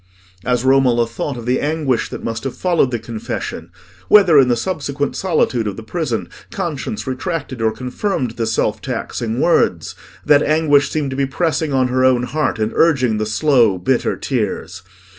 As Romola thought of the anguish that must have followed the confession—whether, in the subsequent solitude of the prison, conscience retracted or confirmed the self taxing words—that anguish seemed to be pressing on her own heart and urging the slow bitter tears.